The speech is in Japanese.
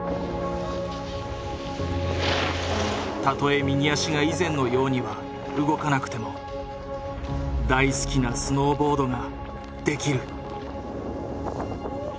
たとえ右足が以前のようには動かなくても大好きなスノーボードができる。